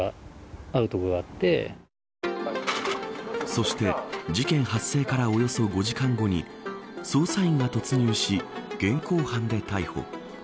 そして、事件発生からおよそ５時間後に捜査員が突入し現行犯で逮捕。